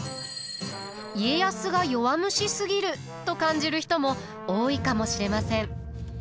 家康が弱虫すぎると感じる人も多いかもしれません。